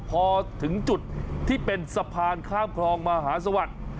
พอถึงจุดที่เป็นสะพานข้ามคลองมหาสวัสดิ์